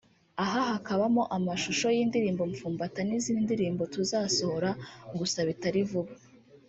aha hakabamo amashusho y’indirimbo mpfumbata n’izindi ndirimbo tuzasohora gusa bitari vuba